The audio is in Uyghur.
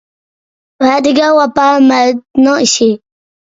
ۋەدىگە ۋاپا – مەردنىڭ ئىشى.